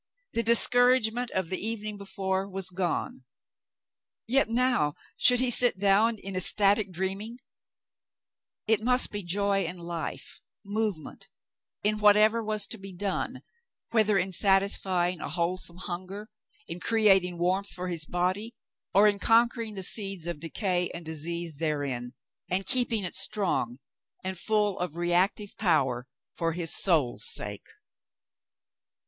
The dis couragement of the evening before was gone. Yet now should he sit down in ecstatic dreaming ^ It must be joy in hfe — movement — in whatever was to be done, whether in satisfying a wholesome hunger, in creating warmth for his body, or in conquering the seeds of decay and disease therein, and keeping it strong and full of re active power for his soul's sake.